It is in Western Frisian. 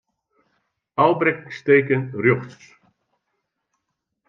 Ofbrekkingsteken rjochts.